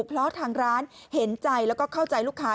เพราะทางร้านเห็นใจแล้วก็เข้าใจลูกค้า